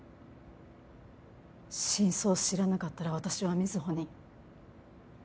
真相を知らなかったら私は水帆に。